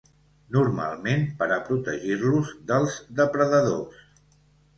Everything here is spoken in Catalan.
Normalment per a protegir-los dels depredadors.